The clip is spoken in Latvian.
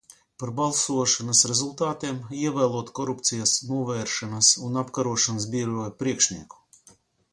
Par balsošanas rezultātiem, ievēlot Korupcijas novēršanas un apkarošanas biroja priekšnieku.